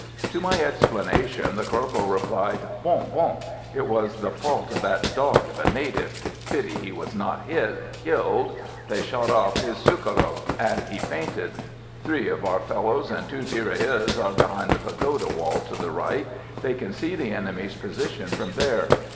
To my explanation the corporal replied: "Bon! bon! It was the fault of that dog of a native. Pity he was not hit killed. They shot off his sakalo, and he fainted. Three of our fellows and two tirailleurs are behind the pagoda wall to the right; they can see the enemy's position from there.